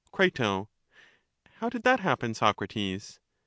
Cri, How did that happen, Socrates?